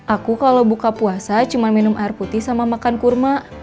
aku kalau buka puasa cuma minum air putih sama makan kurma